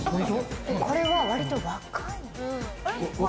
これは割と若い。